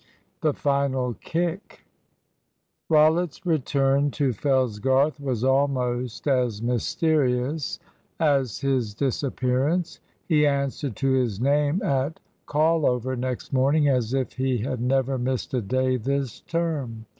THE FINAL KICK. Rollitt's return to Fellsgarth was almost as mysterious as his disappearance. He answered to his name at call over next morning as if he had never missed a day this term.